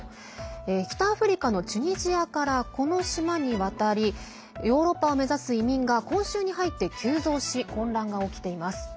北アフリカのチュニジアからこの島に渡りヨーロッパを目指す移民が今週に入って急増し混乱が起きています。